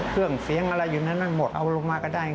เครื่องเสียงอะไรอยู่ในนั้นหมดเอาลงมาก็ได้